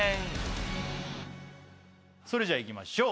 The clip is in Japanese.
それじゃいきましょう。